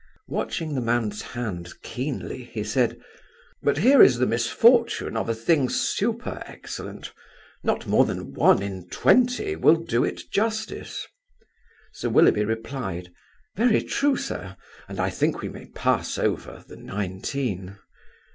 Watching the man's hand keenly, he said: "But here is the misfortune of a thing super excellent: not more than one in twenty will do it justice." Sir Willoughby replied: "Very true, sir; and I think we may pass over the nineteen."